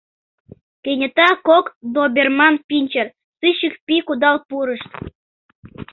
Кенета кок доберман-пинчер сыщик пий кудал пурышт.